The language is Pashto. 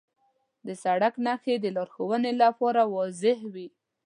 د سړک نښې د لارښوونې لپاره واضح وي.